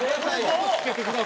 付けてくださいよ！